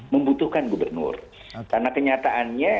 membutuhkan gubernur karena kenyataannya